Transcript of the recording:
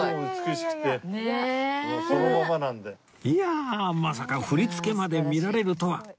いやあまさか振り付けまで見られるとは